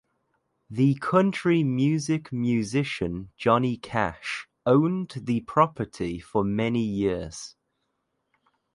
The country music musician Johnny Cash owned the property for many years.